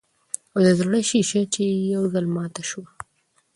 او د زړۀ شيشه چې ئې يو ځل ماته شوه